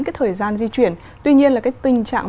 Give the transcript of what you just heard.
cái thời gian di chuyển tuy nhiên là cái tình trạng